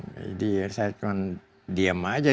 jadi saya cuman diem aja